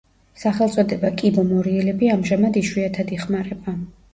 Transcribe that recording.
სახელწოდება „კიბომორიელები“ ამჟამად იშვიათად იხმარება.